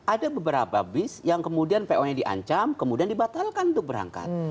ada beberapa bis yang kemudian po nya diancam kemudian dibatalkan untuk berangkat